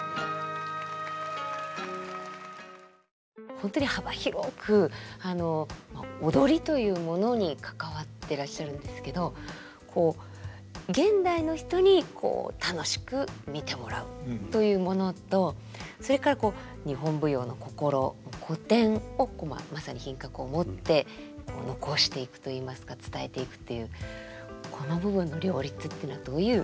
本当に幅広く踊りというものに関わってらっしゃるんですけど「現代の人に楽しく見てもらう」というものとそれから「日本舞踊の心古典をまさに品格を持って残していく」といいますか「伝えていく」っていうこの部分の両立っていうのはどういう？